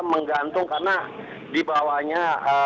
menggantung karena di bawahnya